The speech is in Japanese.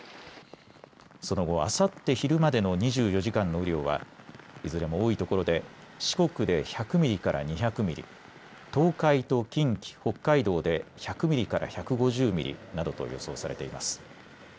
その後、あさって昼までの２４時間の雨量はいずれも多いところで四国で１００ミリから２００ミリ、東海と近畿、北海道で１００ミリから１５０ミリなどと予想されています。